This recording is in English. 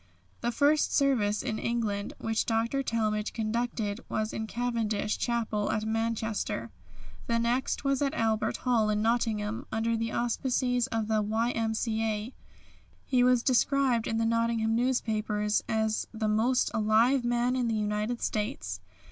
The first service in England which Dr. Talmage conducted was in Cavendish Chapel at Manchester. The next was at Albert Hall in Nottingham, under the auspices of the Y.M.C.A. He was described in the Nottingham newspapers as the "most alive man in the United States."